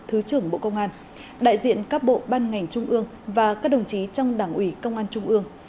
thứ trưởng bộ công an đại diện các bộ ban ngành trung ương và các đồng chí trong đảng ủy công an trung ương